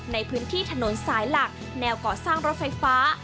ในพื้นที่ถนนสายหลักแนวก่อสร้างรถไฟฟ้า